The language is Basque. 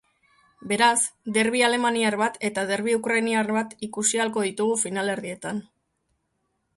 Beraz, derbi alemaniar bat eta derbi ukariniar bat ikusi ahalko ditugu finalerdietan.